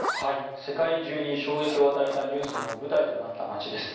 世界中に衝撃を与えたニュースの舞台となった街です。